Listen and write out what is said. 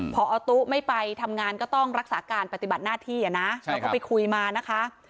พอตู้ไม่ไปทำงานก็ต้องรักษาการปฏิบัติหน้าที่นะแล้วก็ไปคุยมานะคะ